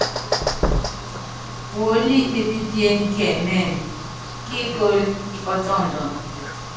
Puólí mépípiéne kiɛmɛ́mɛ, kíikólo ípɔ́tɔndɔnɔ.